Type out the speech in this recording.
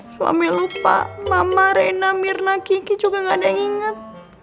suami lupa mama rena mirna kiki juga gak ada inget